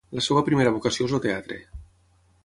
La seva primera vocació és el teatre.